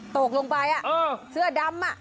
ตกลงไปอะเสื้อดำอะ